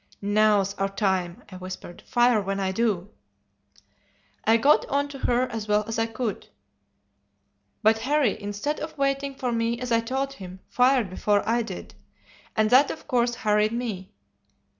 "'Now's our time,' I whispered, 'fire when I do.' "I got on to her as well as I could, but Harry, instead of waiting for me as I told him, fired before I did, and that of course hurried me.